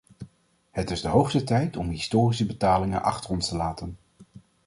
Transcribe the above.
Het is de hoogste tijd om historische betalingen achter ons te laten.